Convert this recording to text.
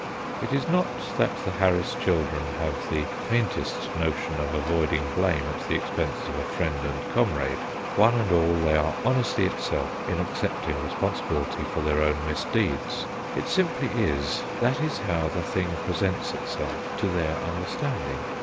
It is not that the Harris children have the faintest notion of avoiding blame at the expense of a friend and comrade. One and all they are honesty itself in accepting responsibility for their own misdeeds. It simply is, that is how the thing presents itself to their understanding.